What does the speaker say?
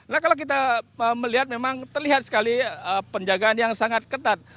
nah kalau kita melihat memang terlihat sekali penjagaan yang sangat ketat